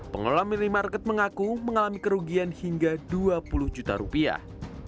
pengelola minimarket mengaku mengalami kerugian hingga dua puluh juta rupiah